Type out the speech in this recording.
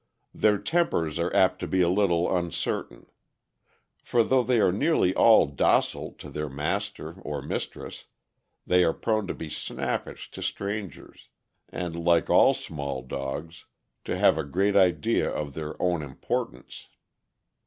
Their tempers are apt to be a little uncertain; for though they are nearly all docile to their master or mis tress, they are prone to be snappish to strangers, and, like all small dogs, to have a great idea of their own importance.